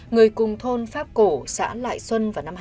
người cùng thôn pháp cổ xã lại xuân vào năm hai nghìn sáu